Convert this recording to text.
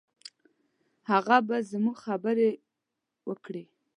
هغه به زموږ سره خبرې وکړي.